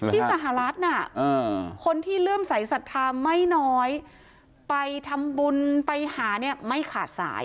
ที่สหรัฐคนที่เลื่อมใสสัทธาไม่น้อยไปทำบุญไปหาเนี่ยไม่ขาดสาย